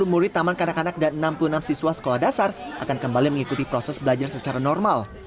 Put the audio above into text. dua puluh murid taman kanak kanak dan enam puluh enam siswa sekolah dasar akan kembali mengikuti proses belajar secara normal